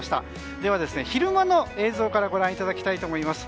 では、昼間の映像からご覧いただきます。